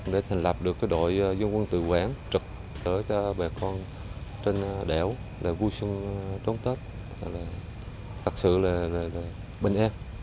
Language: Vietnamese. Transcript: để thành lập được đội dân quân tự quản trực cho bà con trên đẻo vui xuân đón tết thật sự là bình an